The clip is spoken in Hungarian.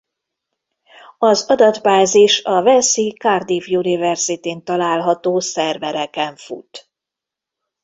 Az adatbázis a walesi Cardiff Universityn található szervereken fut.